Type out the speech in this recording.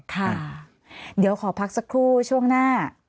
ค่ะเดี๋ยวขอพักสักครู่ช่วงหน้า